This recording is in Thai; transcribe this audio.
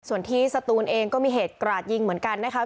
ส่วนที่สตูนเองก็มีเหตุกราดยิงเหมือนกันนะคะ